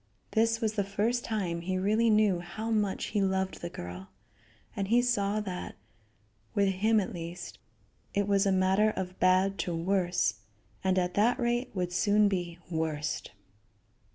This was the first time he really knew how much he loved the girl, and he saw that, with him at least, it was a matter of bad to worse; and at that rate would soon be worst.